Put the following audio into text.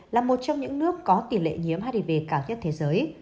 là một trong những nước có tỷ lệ nhiễm hiv cao nhất thế giới